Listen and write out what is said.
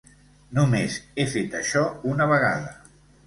Només he fet això una vegada.